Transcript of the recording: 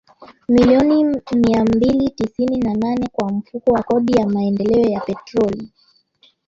milioni mia mbili tisini na nane kwa Mfuko wa Kodi ya Maendeleo ya Petroli